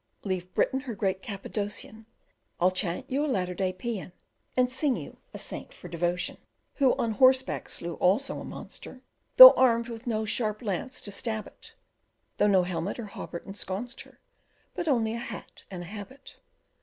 Leave Britain her great Cappadocian; I'll chant you a latter day paean, And sing you a saint for devotion, Who on horseback slew also a monster, Though armed with no sharp lance to stab it, Though no helmet or hauberk ensconced her, But only a hat and a habit.